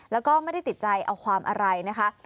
แล้วก็ไม่ได้ติดใจเอาความอะไรนะคะ